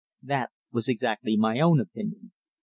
That was exactly my own opinion.